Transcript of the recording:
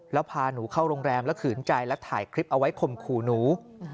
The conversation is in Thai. แล้วพาหนูเข้าโรงแรมแล้วขืนใจและถ่ายคลิปเอาไว้ข่มขู่หนู